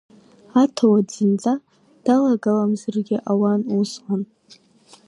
Аҭауад зынӡа далагаламзаргьы ауан усҟан.